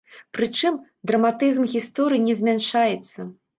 Прычым, драматызм гісторыі не змяншаецца.